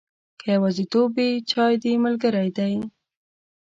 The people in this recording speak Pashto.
که یوازیتوب وي، چای دې ملګری دی.